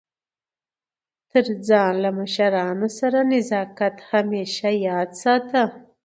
تر ځان له مشرانو سره نزاکت همېشه یاد ساته!